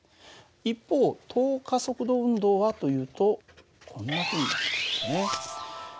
一方等加速度運動はというとこんなふうになってるんだね。